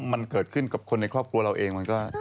มันเกิดขึ้นกับคนในครอบครัวเราเอง